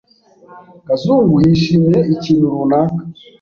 Kazungu yishimiye ikintu runaka.